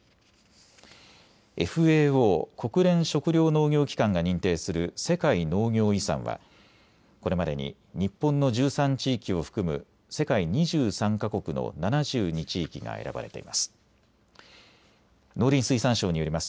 ＦＡＯ・国連食糧農業機関が認定する世界農業遺産はこれまでに日本の１３地域を含む世界２３か国の７２地域が選ばれています。